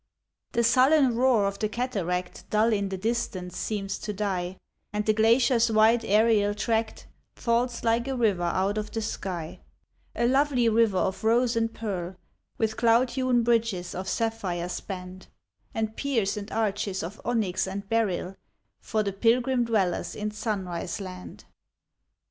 The sullen roar of the cataract, Dull in the distance seems to die, And the glacier's wide aerial tract Falls like a river out of the sky ; A lovely river of rose and pearl, With cloud hewn bridges of sapphire spanned, And piers and arches of onyx and beryl, For the pilgrim dwellers in sunrise land.